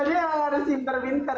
jadi ipoh harus pinter pinter